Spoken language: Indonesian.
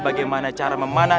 bagaimana cara memanah